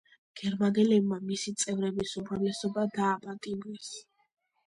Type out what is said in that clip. გერმანელებმა მისი წევრების უმრავლესობა დააპატიმრეს.